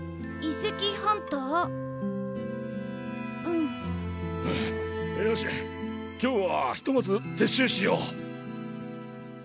よし今日はひとまずてっしゅうしよう。